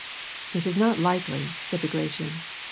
" It is not likely," said Bagration.